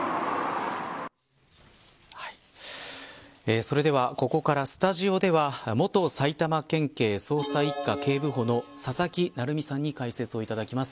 それではここからスタジオでは元埼玉県警捜査一課警部補の佐々木成三さんに解説をいただきます。